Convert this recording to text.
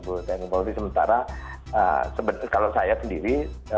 bahwa ini sementara kalau saya sendiri